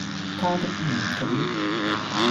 他的年紀，